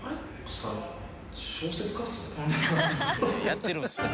やってるんですよ。